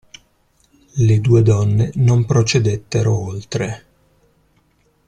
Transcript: Le due donne non procedettero oltre.